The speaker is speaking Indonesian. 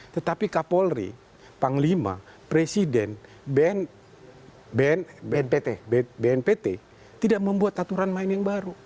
tetapi kapolri panglima presiden bnpt tidak membuat aturan main yang baru